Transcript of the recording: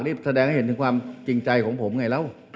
นี่แสดงให้เห็นถึงความจริงใจของผมไงแล้ว